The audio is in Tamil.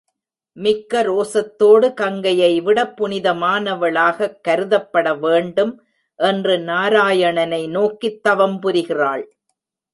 மிக்க ரோசத்தோடு கங்கையைவிடப் புனிதமானவளாகக் கருதப்பட வேண்டும் என்று நாராயணனை நோக்கித் தவம் புரிகிறாள்.